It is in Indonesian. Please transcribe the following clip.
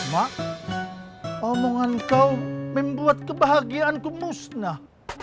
mak omongan kau membuat kebahagiaanku musnah